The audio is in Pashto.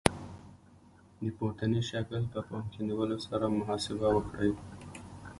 د پورتني شکل په پام کې نیولو سره محاسبه وکړئ.